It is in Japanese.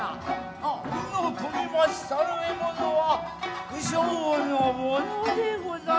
あっ鵜の獲りましたる獲物は鵜匠のものでござりまする。